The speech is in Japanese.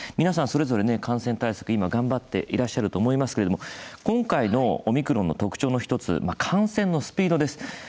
皆さん、それぞれ感染対策頑張っていらっしゃると思いますけども今回のオミクロンの特徴の１つ感染のスピードです。